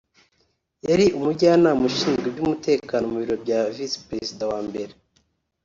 yari umujyanama ushinzwe iby’umutekano mu biro bya Visi Perezida wa Mbere